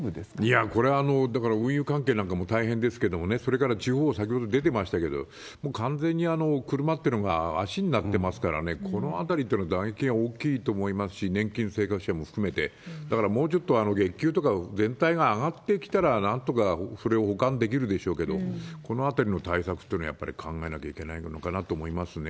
いや、これは運輸関係なんかも大変ですけれども、それから地方、先ほど出てましたけど、もう完全に車ってのが足になってますからね、このあたりってのは打撃が大きいと思いますし、年金生活者も含めて、だからもうちょっと、月給とか全体が上がってきたら、なんとか、それを補完できるでしょうけど、このあたりの対策っていうのは、やっぱり考えなきゃいけないのかなと思いますね。